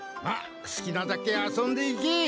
まっすきなだけ遊んでいけ！